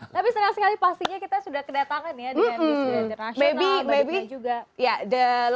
tapi sering sekali pastinya kita sudah kedatangan ya di amnesty international